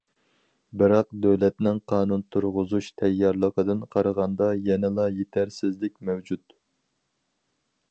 بىراق دۆلەتنىڭ قانۇن تۇرغۇزۇش تەييارلىقىدىن قارىغاندا يەنىلا يېتەرسىزلىك مەۋجۇت.